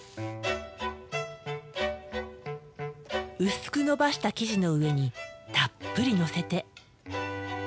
薄くのばした生地の上にたっぷりのせて。